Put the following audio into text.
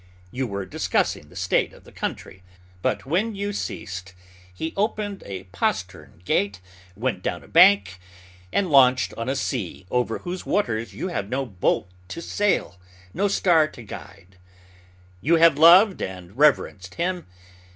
You were discussing the state of the country; but when you ceased, he opened a postern gate, went down a bank, and launched on a sea over whose waters you have no boat to sail, no star to guide. You have loved and reverenced him.